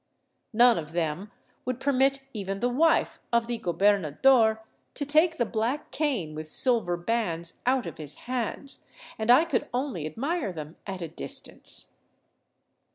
None of them would permit even the wife of the gobernador to take the black cane with silver bands out of his hands, and I could only admire them at a distance.